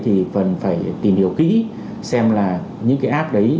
thì cần phải tìm hiểu kỹ xem là những cái app đấy